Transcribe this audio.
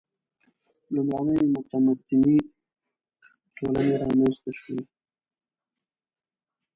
• لومړنۍ متمدنې ټولنې رامنځته شوې.